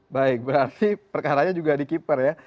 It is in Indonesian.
baik berarti perkaranya juga di keeper ya